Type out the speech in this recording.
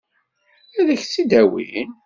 Ad k-tt-id-awin?